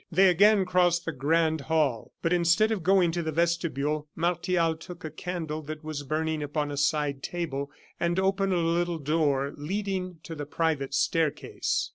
They again crossed the grand hall, but instead of going to the vestibule Martial took a candle that was burning upon a side table, and opened a little door leading to the private staircase.